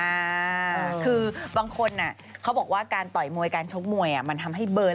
อ่าคือบางคนอ่ะเขาบอกว่าการต่อยมวยการชกมวยอ่ะมันทำให้เบิร์น